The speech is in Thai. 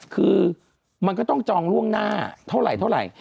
คือมันก็ต้องจองร่วงหน้าเท่าไหร่